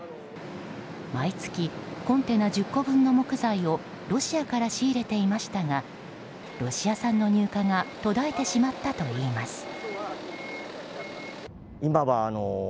毎月、コンテナ１０個分の木材をロシアから仕入れていましたがロシア産の入荷が途絶えてしまったといいます。